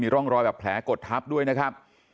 ร่องรอยแบบแผลกดทับด้วยนะครับ